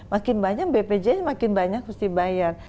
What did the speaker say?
makin banyak bpjs makin banyak harus dibayar